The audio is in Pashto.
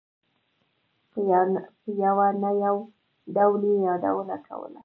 په یوه نه یو ډول یې یادونه کوله.